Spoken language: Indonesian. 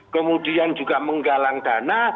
kemudian juga menggalang dana